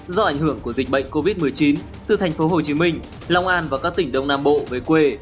do ảnh hưởng của dịch bệnh covid một mươi chín từ thành phố hồ chí minh long an và các tỉnh đông nam bộ về quê